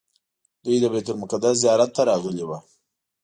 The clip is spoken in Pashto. دوی د بیت المقدس زیارت ته راغلي وو.